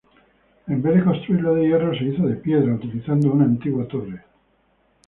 En vez de construirlo de hierro se hizo de piedra, utilizando una antigua torre.